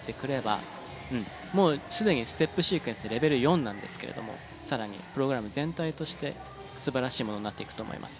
もうすでにステップシークエンスレベル４なんですけれども更にプログラム全体として素晴らしいものになっていくと思います。